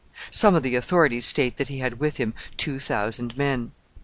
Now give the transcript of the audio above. Some of the authorities state that he had with him two thousand men.